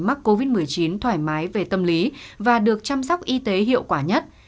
mắc covid một mươi chín thoải mái về tâm lý và được chăm sóc y tế hiệu quả nhất